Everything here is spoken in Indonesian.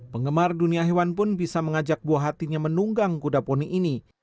penggemar dunia hewan pun bisa mengajak buah hatinya menunggang kuda poni ini